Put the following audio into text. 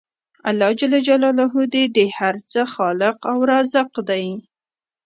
الله ج د هر څه خالق او رازق دی